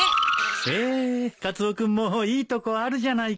へえカツオ君もいいとこあるじゃないか。